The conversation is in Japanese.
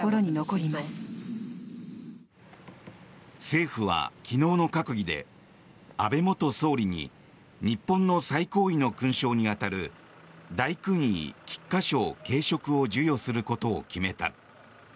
政府は昨日の閣議で安倍元総理に日本の最高位の勲章に当たる大勲位菊花章頸飾を授与することを決めた。